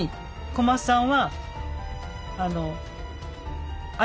小松さん